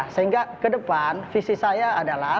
sehingga kedepan visi saya adalah